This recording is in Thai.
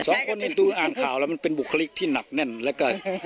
สองคนนี้ดูอ่านข่าวแล้วมันเป็นบุคลิกที่หนักแน่นเหลือเกิน